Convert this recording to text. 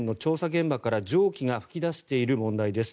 現場から蒸気が噴き出している問題です。